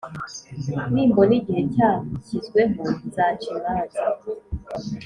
Nimbona igihe cyashyizweho Nzaca imanza